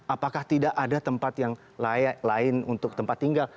apakah tidak ada tempat yang layak lain untuk tempat tinggal